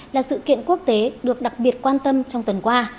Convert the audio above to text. là sự kiện quốc tế được đặc biệt quan tâm trong tuần qua